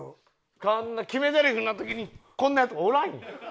こんな決めぜりふの時にこんなヤツおらんよ。